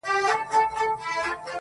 ټوله شپه خوبونه وي.